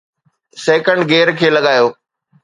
second gear کي لڳايو